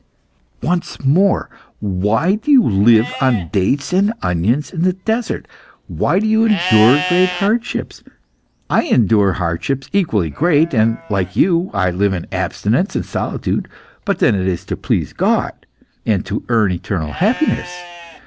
"Once more. Why do you live on dates and onions in the desert? Why do you endure great hardships? I endure hardships equally great, and, like you, I live in abstinence and solitude. But then it is to please God, and to earn eternal happiness.